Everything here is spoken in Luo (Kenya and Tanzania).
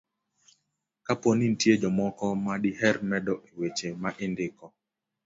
kapo ni nitie jomoko ma diher medo e weche ma indiko.